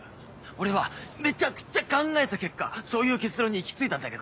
俺はめちゃくちゃ考えた結果そういう結論に行き着いたんだけどさ。